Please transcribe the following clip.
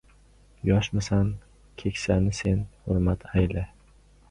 Yoshmisan, keksani sen hurmat ayla